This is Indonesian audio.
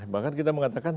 bahkan kita mengatakan